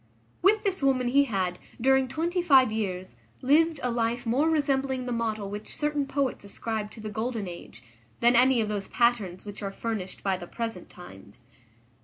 With this woman he had, during twenty five years, lived a life more resembling the model which certain poets ascribe to the golden age, than any of those patterns which are furnished by the present times.